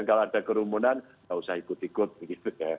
kalau ada kerumunan nggak usah ikut ikut gitu kan